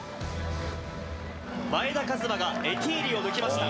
前田和摩がエティーリを抜きました。